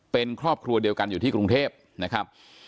เป็นครอบครัวเดียวกันอยู่ที่กรุงเทพนะครับ